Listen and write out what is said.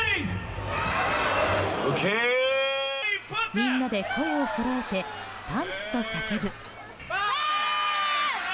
みんなで声をそろえてパンツと叫ぶ。